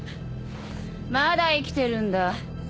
まだ生きてるんだ。